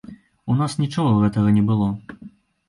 У нас нічога гэтага не было.